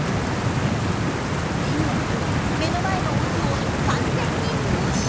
でも目の前のオスを完全に無視。